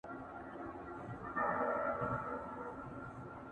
ګنهكاره سوه سورنا، ږغ د ډولونو؛